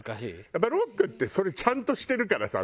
やっぱりロックってそれちゃんとしてるからさ。